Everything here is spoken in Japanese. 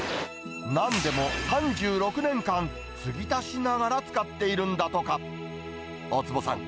なんでも、３６年間、継ぎ足しながら使っているんだとか。